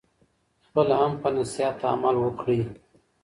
خپله هم په نصیحت عمل وکړئ.